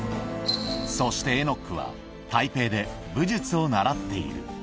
そしてエノックは、台北で武術を習っている。